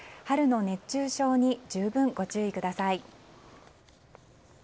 春の熱中症に十分ご注意ください。